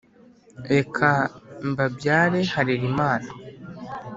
reka mbabyare harerimana,